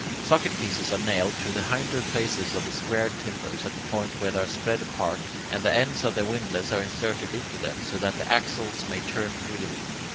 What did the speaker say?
Socket pieces are nailed to the hinder faces of the squared timbers at the point where they are spread apart, and the ends of the windlass are inserted into them so that the axles may turn freely.